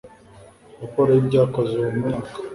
raporo y'ibyakozwe uwo mwaka